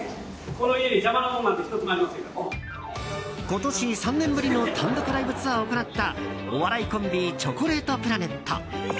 今年、３年ぶりの単独ライブツアーを行ったお笑いコンビチョコレートプラネット。